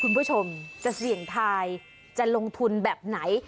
คุณผู้ชมจะเสี่ยงทายจะลงทุนแบบไหน